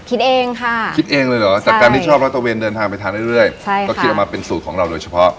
คิดเองค่ะคิดเองเลยเหรอจากการที่ชอบร้อยตะเวนเดินทางไปทานเรื่อยก็คิดเอามาเป็นสูตรของเราโดยเฉพาะ